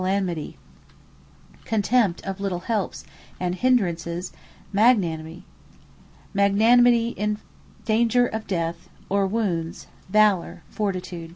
Magnanimity Contempt of little helps, and hindrances, MAGNANIMITY. Valour Magnanimity, in danger of Death, or Wounds, VALOUR, FORTITUDE.